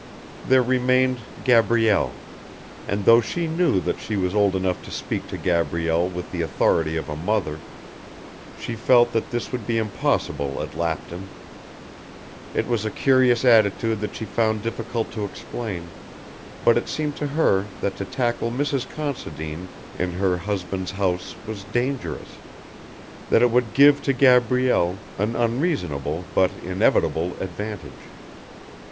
There remained Gabrielle, and though she knew that she was old enough to speak to Gabrielle with the authority of a mother, she felt that this would be impossible at Lapton. It was a curious attitude that she found difficult to explain, but it seemed to her that to tackle Mrs. Considine in her husband's house was dangerous, that it would give to Gabrielle an unreasonable but inevitable advantage.